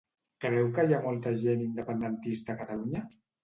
Creu que hi ha molta gent independentista a Catalunya?